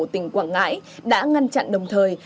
tỉnh quảng ngãi đã ngăn chặn đồng thời